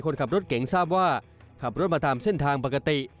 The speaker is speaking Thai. คนขับรถเก๋งทราบว่าขับรถมาตามเส้นทางปกติ